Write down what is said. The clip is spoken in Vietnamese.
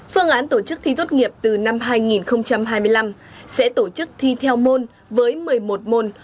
phương án tổ chức thi tốt nghiệp từ năm hai nghìn hai mươi năm sẽ tổ chức thi theo môn với một mươi một môn